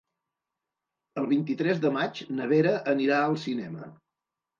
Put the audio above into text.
El vint-i-tres de maig na Vera anirà al cinema.